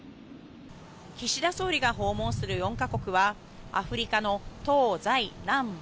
岸田総理が訪問する４か国はアフリカの東西南北